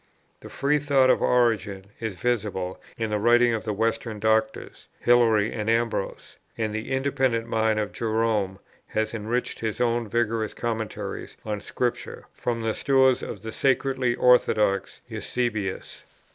The free thought of Origen is visible in the writings of the Western Doctors, Hilary and Ambrose; and the independent mind of Jerome has enriched his own vigorous commentaries on Scripture, from the stores of the scarcely orthodox Eusebius.